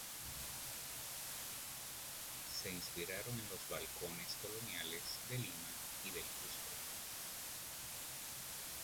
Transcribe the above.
Se inspiraron en los balcones coloniales de Lima y del Cusco.